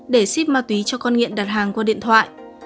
để ship ma túy cho con nghiện đặt hàng qua điện thoại